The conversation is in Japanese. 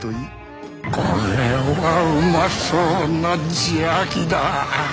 これはうまそうな邪気だ！